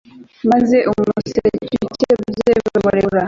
maze umuseke ukebye baramurekura